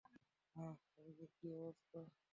ট্রাফিকের কী অবস্থা?